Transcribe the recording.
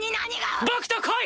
僕と来い！